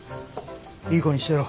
いい子にしてろ。